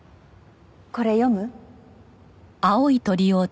これ読む？